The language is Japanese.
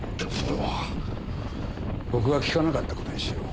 僕は聞かなかった事にしよう。